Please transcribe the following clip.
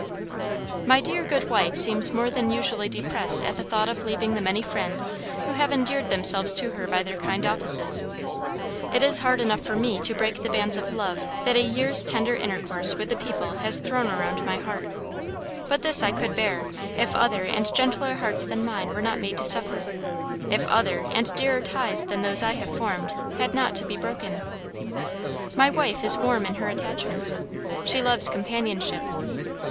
"My dear good wife seems more than usually depressed at the thought of leaving the many friends who have endeared themselves to her by their kind offices. It is hard enough for me to break the bands of love that a year's tender intercourse with the people has thrown around my heart. But this I could bear, if other and gentler hearts than mine were not made to suffer; if other and dearer ties than those I have formed had not to be broken. My wife is warm in her attachments. She loves companionship.